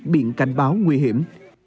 bị cảnh báo nguy hiểm